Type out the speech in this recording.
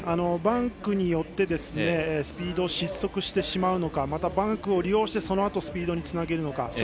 バンクによってスピードが失速してしまうのかまたバンクを利用してそのあとスピードにつなげるのか。